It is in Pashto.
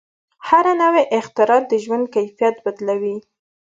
هره نوې اختراع د ژوند کیفیت بدلوي.